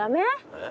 えっ？